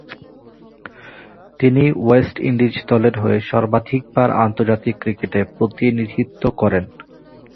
তিনি West Indies দলের হয়ে সর্বাধিকবার আন্তর্জাতিক ক্রিকেটে প্রতিনিধিত্ব করেন।